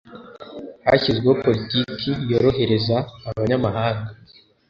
hashyizweho politiki yorohereza abanyamahanga